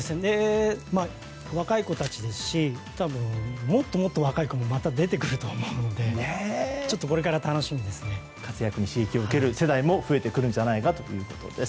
若い子たちですしもっともっと若い子もどんどん出てくると思うので活躍に刺激を受ける世代も増えてくるんじゃないかということです。